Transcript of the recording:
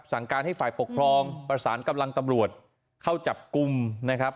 สั่งการให้ฝ่ายปกครองประสานกำลังตำรวจเข้าจับกลุ่มนะครับ